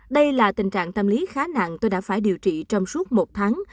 đây là tình trạng tâm lý khá nặng tôi đã phải điều trị trong suốt một tháng